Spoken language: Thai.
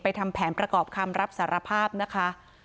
ทำแผนประกอบคำรับสารภาพนะคะ